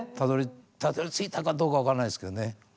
たどりついたかどうか分からないですけどね。